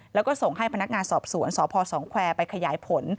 แล้วก็ส่งให้พนักงานสอบสวนสพสองแควร์ไปขยายผล